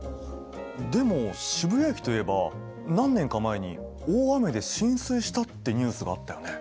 でも渋谷駅といえば何年か前に大雨で浸水したってニュースがあったよね？